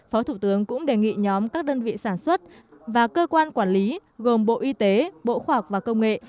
phó thủ tướng cũng đề nghị nhóm các đơn vị sản xuất và cơ quan quản lý gồm bộ y tế bộ khoa học và công nghệ